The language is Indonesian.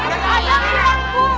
pak rete adam ilang bu